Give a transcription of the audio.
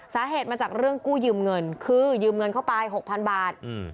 สาเหตุมาจากเรื่องกู้ยืมเงินคือยืมเงินเข้าไป๖๐๐๐บาท